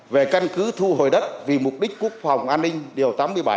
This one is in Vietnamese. về căn cứ thu hồi đất vì mục đích quốc phòng an ninh điều tám mươi bảy